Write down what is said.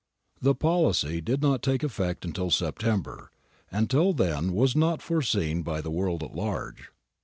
The policy did not take effect until September, and till then was not foreseen by the world at large.